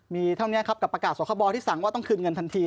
มีเท่านี้ครับกับประกาศสคบที่สั่งว่าต้องคืนเงินทันที